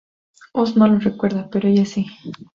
Oz no lo recuerda pero ella sí.